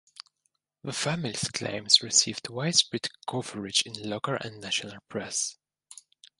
The family's claims received widespread coverage in local and national press.